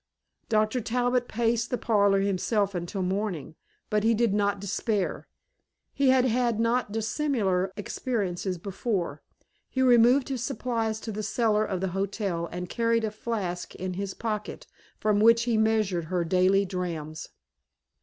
Doctor Talbot paced the parlor himself until morning. But he did not despair. He had had not dissimilar experiences before. He removed his supplies to the cellar of the hotel and carried a flask in his pocket from which he measured her daily drams.